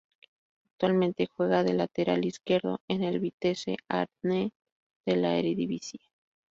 Actualmente juega de lateral izquierdo en el Vitesse Arnhem de la Eredivisie.